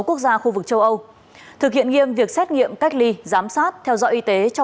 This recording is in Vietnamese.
quốc gia khu vực châu âu thực hiện nghiêm việc xét nghiệm cách ly giám sát theo dõi y tế cho